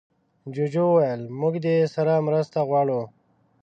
جوجو وویل موږ دې سره مرسته غواړو.